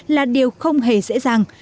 là điều không hề dễ dàng